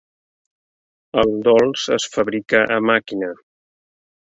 El dolç es fabrica a màquina.